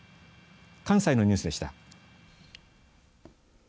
関西のニュースでした。